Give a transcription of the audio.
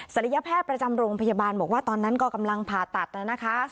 ระยะแพทย์ประจำโรงพยาบาลบอกว่าตอนนั้นก็กำลังผ่าตัดนะคะ